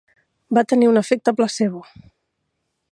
Va tenir un efecte placebo.